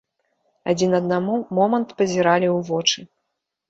Адзін аднаму момант пазіралі ў вочы.